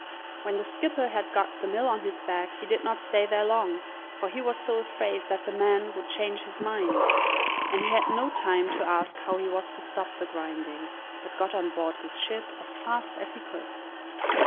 When the skipper had got the mill on his back he did not stay there long, for he was so afraid that the man would change his mind, and he had no time to ask how he was to stop it grinding, but got on board his ship as fast as he could.